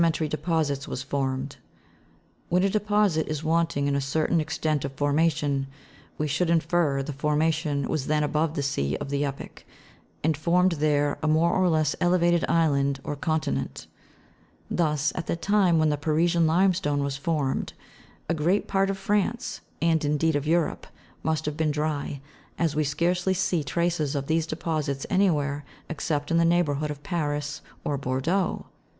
mentary deposits was formed. When a deposit is wanting in a certain extent of formation, we shonld infer the formation was then above the sea of the epoch, and formed there a more or less elevated island or continent ; thus, at the lime when the Parisian limestone was formed, a great part of France, and indeed of Europe, must have been dry, as we scarcely see traces of these deposits anywhere except in the neighbourhood of Paris or Bordeaux.